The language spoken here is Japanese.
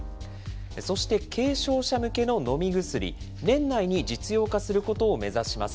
そして軽症者向けの飲み薬、年内に実用化することを目指します。